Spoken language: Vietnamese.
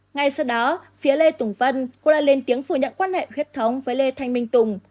ngay sau đó phía lê tùng vân cũng đã lên tiếng phủ nhận quan hệ huyết thống với lê thanh minh tùng